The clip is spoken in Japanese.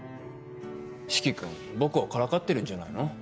四鬼君僕をからかってるんじゃないの？